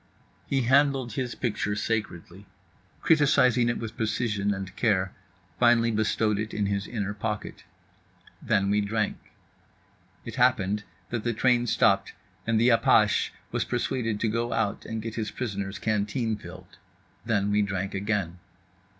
He handled his picture sacredly, criticised it with precision and care, finally bestowed it in his inner pocket. Then we drank. It happened that the train stopped and the apache was persuaded to go out and get his prisoner's canteen filled. Then we drank again.